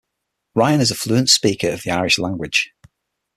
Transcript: Ryan is a fluent speaker of the Irish language.